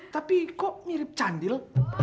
tapi kok mirip candil